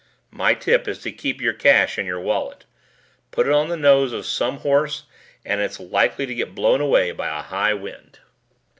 "My tip is to keep your cash in your pocket. Put it on the nose of some horse and it's likely to get blown away by a high wind."